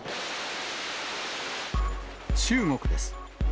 中国です。